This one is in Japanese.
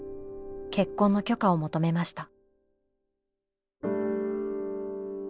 結婚の許可を求めました。